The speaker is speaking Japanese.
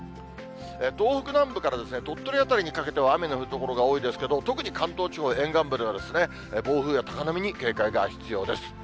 東北南部から鳥取辺りにかけては雨の降る所が多いですけれども、特に関東地方沿岸部では暴風や高波に警戒が必要です。